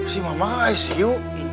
si mama ke icu